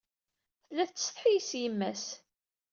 Tella tettsetḥi yess yemma-s.